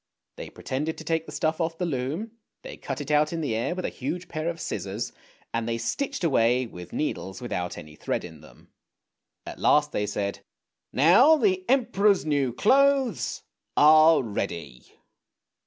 They pretended to take the stuff off the loom. They cut it out in the air with a huge pair of scissors, and they stitched away with needles without any thread in them. At last they said: " Now the Emperor's new clothes are ready!